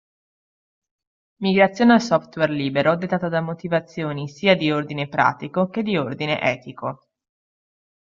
Migrazione al software libero dettata da motivazioni sia di ordine pratico che di ordine etico.